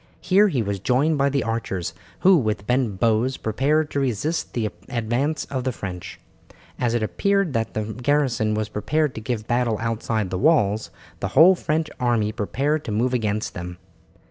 Here he was joined by the archers, who with bent bows prepared to resist the advance of the French. As it appeared that the garrison were prepared to give battle outside the walls, the whole French army prepared to move against them.